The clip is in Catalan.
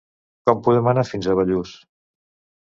Com podem anar fins a Bellús?